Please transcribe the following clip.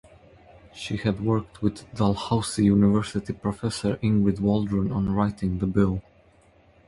She had worked with Dalhousie University professor Ingrid Waldron on writing the bill.